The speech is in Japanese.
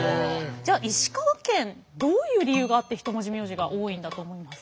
じゃあ石川県どういう理由があって一文字名字が多いんだと思います？